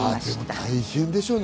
大変でしょうね。